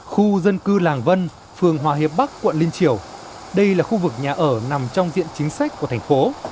khu dân cư làng vân phường hòa hiệp bắc quận liên triều đây là khu vực nhà ở nằm trong diện chính sách của thành phố